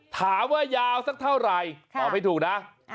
ถามว่ายาวสักเท่าไหร่ตอบให้ถูกนะ